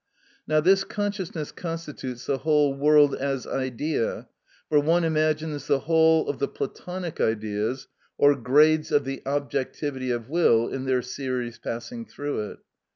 Now this consciousness constitutes the whole world as idea, for one imagines the whole of the Platonic Ideas, or grades of the objectivity of will, in their series passing through it.